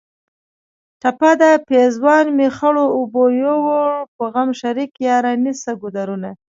ټپه ده: پېزوان مې خړو اوبو یوړ په غم شریکه یاره نیسه ګودرونه